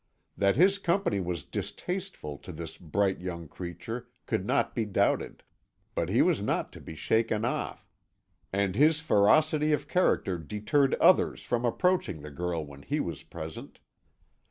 That his company was distasteful to this bright young creature could not be doubted, but he was not to be shaken off, and his ferocity of character deterred others from approaching the girl when he was present.